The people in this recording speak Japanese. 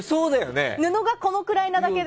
布がこれぐらいなだけで。